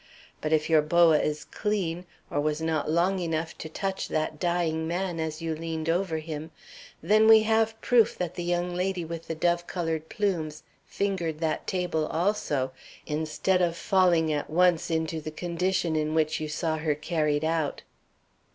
But if your boa is clean, or was not long enough to touch that dying man as you leaned over him, then we have proof that the young lady with the dove colored plumes fingered that table also, instead of falling at once into the condition in which you saw her carried out."